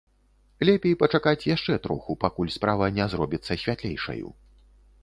Лепей пачакаць яшчэ троху, пакуль справа не зробіцца святлейшаю.